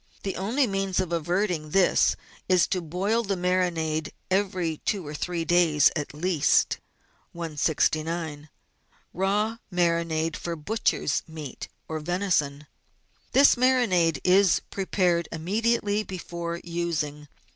The only means of averting this is to boil the marinade every two or three days at least. 169— RAW MARINADE FOR BUTCHER'S MEAT OR VENISON This marinade is prepared immediately before using.